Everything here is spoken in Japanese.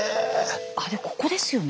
あれここですよね